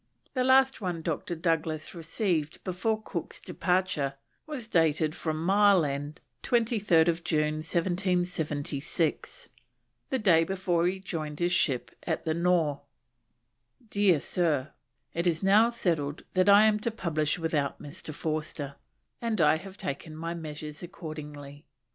The last one Dr. Douglas received before Cook's departure was dated from Mile End, 23rd June 1776, the day before he joined his ship at the Nore. Dear Sir, It is now settled that I am to publish without Mr. Forster, and I have taken my measures accordingly.